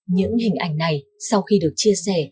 những hình ảnh này sau khi được chia sẻ